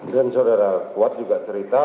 dan saudara kuat juga cerita